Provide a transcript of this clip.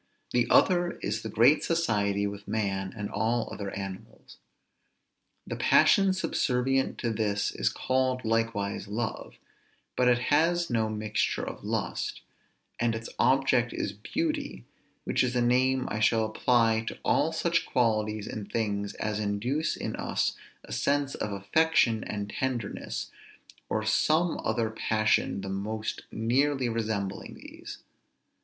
The other is the great society with man and all other animals. The passion subservient to this is called likewise love, but it has no mixture of lust, and its object is beauty; which is a name I shall apply to all such qualities in things as induce in us a sense of affection and tenderness, or some other passion the most nearly resembling these.